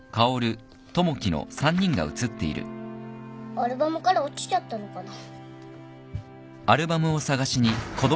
アルバムから落ちちゃったのかな。